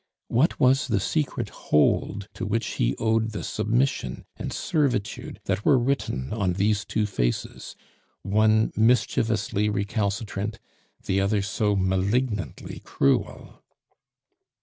What was the secret hold to which he owed the submission and servitude that were written on these two faces one mischievously recalcitrant, the other so malignantly cruel?